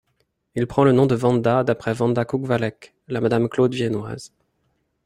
Il prend le nom de Wanda d'après Wanda Kuchwalek, la Madame Claude viennoise.